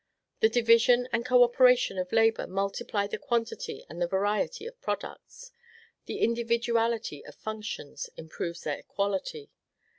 The division and co operation of labor multiply the quantity and the variety of products; the individuality of functions improves their quality.